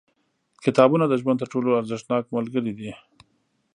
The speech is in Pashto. • کتابونه د ژوند تر ټولو ارزښتناک ملګري دي.